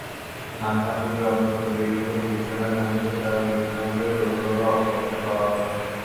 ঢাকা শিশু হাসপাতালের বিশেষজ্ঞ চিকিৎসকেরা জানিয়েছেন, তার হৃদ্যন্ত্রে জরুরিভাবে অস্ত্রোপচার করা দরকার।